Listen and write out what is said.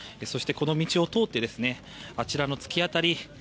そしてこの道を通ってあちらの突き当たり